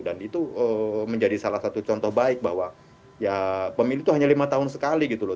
dan itu menjadi salah satu contoh baik bahwa pemilu itu hanya lima tahun sekali gitu loh